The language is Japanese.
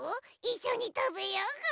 いっしょにたべようぐ。